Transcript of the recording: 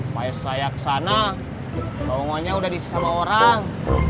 paya saya ke sana lowongannya udah disisama orang